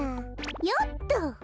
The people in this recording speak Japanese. よっと。